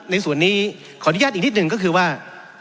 ในส่วนนี้ขออนุญาตอีกนิดหนึ่งก็คือว่า